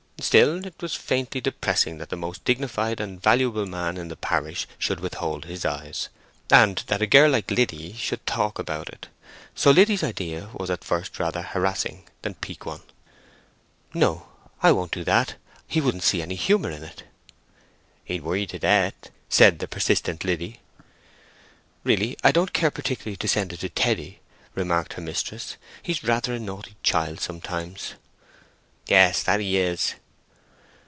Still, it was faintly depressing that the most dignified and valuable man in the parish should withhold his eyes, and that a girl like Liddy should talk about it. So Liddy's idea was at first rather harassing than piquant. "No, I won't do that. He wouldn't see any humour in it." "He'd worry to death," said the persistent Liddy. "Really, I don't care particularly to send it to Teddy," remarked her mistress. "He's rather a naughty child sometimes." "Yes—that he is."